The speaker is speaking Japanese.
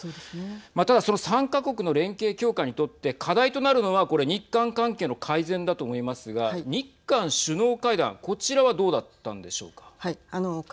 ただ、その３か国の連携強化にとって課題となるのは、これ日韓関係の改善だと思いますが日韓首脳会談、こちらはどうだったんでしょうか。